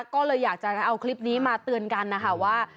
ก็เลยอยากจะเอาคลิปนี้มาเตือนกันนะคะว่า